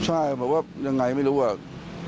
ใช่ผมว่ายังไงไม่รู้อะ